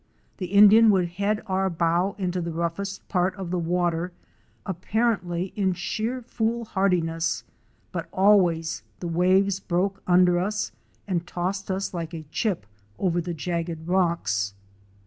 The Indian would head our bow into the roughest part of the water apparently in sheer foolhardiness, but always the waves broke under us and tossed us like a chip over the jagged rocks.